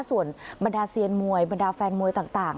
ส่วนบรรดาเซียนมวยบรรดาแฟนมวยต่าง